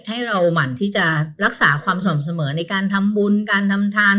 ให้เราหมั่นที่จะรักษาความสม่ำเสมอในการทำบุญการทำทาน